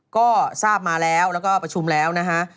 ก็ทราบมาแล้วแล้วก็ประชุมแล้วนะฮะ